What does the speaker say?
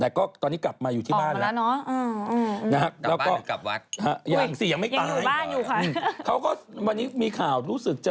แต่ก็ตอนนี้กลับมาอยู่ที่บ้านแล้ว